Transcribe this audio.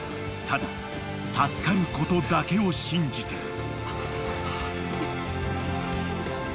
［ただ助かることだけを信じて］